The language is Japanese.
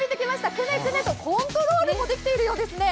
クネクネと、コントロールもできているようですね。